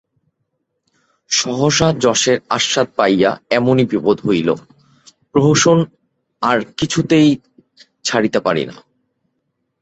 সহসা যশের আস্বাদ পাইয়া এমনি বিপদ হইল, প্রহসন আর কিছুতেই ছাড়িতে পারি না।